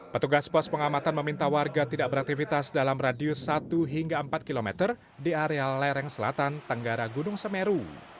petugas pos pengamatan meminta warga tidak beraktivitas dalam radius satu hingga empat km di area lereng selatan tenggara gunung semeru